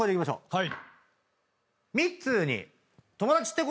はい。